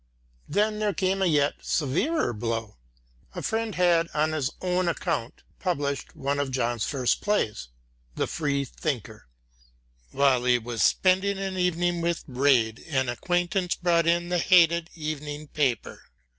Then there came a yet severer blow. A friend had, on his own account, published one of John's first plays, the Free thinker. While he was spending an evening with Rejd an acquaintance brought in the hated evening paper.